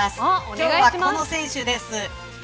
今日はこの選手です。